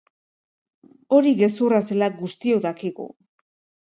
Hori gezurra zela guztiok dakigu.